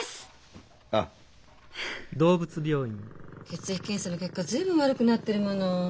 血液検査の結果随分悪くなってるもの。